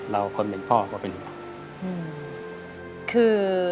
เราคนเป็นพ่อก็แบบนี้